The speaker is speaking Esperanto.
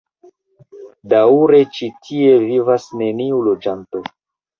Daŭre ĉi tie vivas neniu loĝanto.